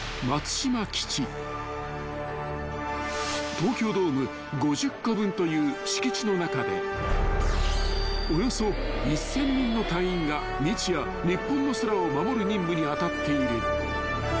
［東京ドーム５０個分という敷地の中でおよそ１，０００人の隊員が日夜日本の空を守る任務に当たっている］